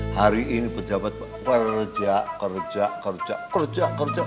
hari ini pejabat kerja kerja kerja kerja kerja